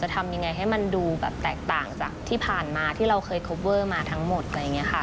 ทำยังไงให้มันดูแบบแตกต่างจากที่ผ่านมาที่เราเคยคอเวอร์มาทั้งหมดอะไรอย่างนี้ค่ะ